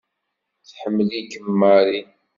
Tḥemmel-ikem Mary.